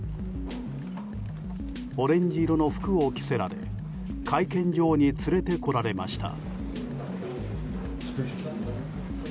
オレンジ色の服を着せられ会見場に連れてこられました。